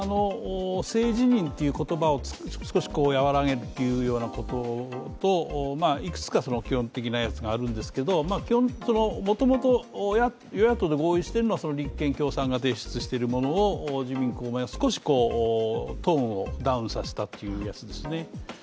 性自認という言葉を少し和らげるということといくつか基本的なやつがあるんですが、もともと与野党で合意しているのは立憲共産が提出しているものを自民、公明が少しトーンをダウンさせたというやつですね。